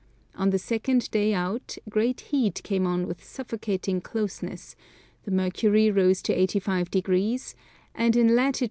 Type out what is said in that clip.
On the second day out, great heat came on with suffocating closeness, the mercury rose to 85°, and in lat.